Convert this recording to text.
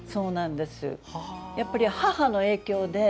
やっぱり、母の影響で。